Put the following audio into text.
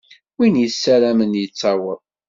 Win yessaramen yettaweḍ.